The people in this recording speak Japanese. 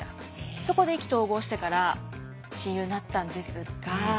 そこで意気投合してから親友になったんですが。